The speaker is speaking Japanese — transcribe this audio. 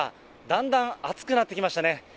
だんだん暑くなってきましたね。